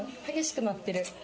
激しくなってる。